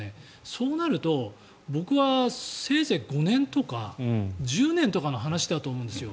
そうなると、僕はせいぜい５年とか１０年とかの話だと思うんですよ。